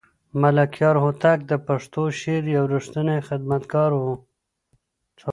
ملکیار هوتک د پښتو شعر یو رښتینی خدمتګار و.